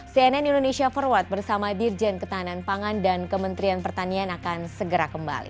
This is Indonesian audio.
cnn indonesia forward bersama dirjen ketahanan pangan dan kementerian pertanian akan segera kembali